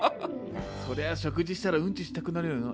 そりゃあ食事したらウンチしたくなるよな。